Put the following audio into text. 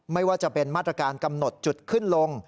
ไม่ว่าจะเป็นมาตรการกำหนดจุดขึ้นลง